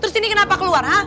terus ini kenapa keluar